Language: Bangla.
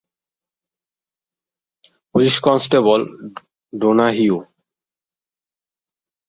Police constable Donahue?